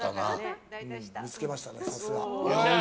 見つけました、さすが。